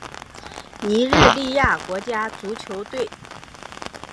尼日利亚国家足球队